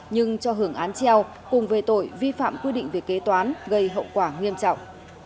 nhưng cho hưởng án treo cùng về tội vi phạm quy định về kế toán gây hậu quả nghiêm trọng